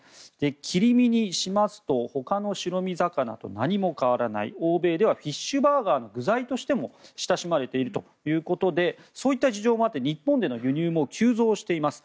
切り身にしますとほかの白身魚と何も変わらない、欧米ではフィッシュバーガーの具材としても親しまれているということでそういった事情もあって日本での輸入も急増しています。